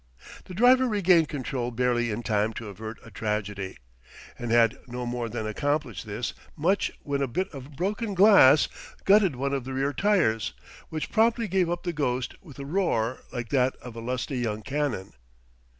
The driver regained control barely in time to avert a tragedy, and had no more than accomplished this much when a bit of broken glass gutted one of the rear tyres, which promptly gave up the ghost with a roar like that of a lusty young cannon.